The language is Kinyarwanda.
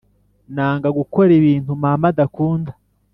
nanga gukora ibintu mama adakunda